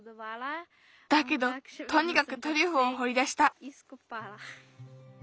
だけどとにかくトリュフをほりだした。